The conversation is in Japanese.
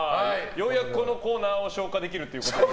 ようやくこのコーナーを消化できるということで。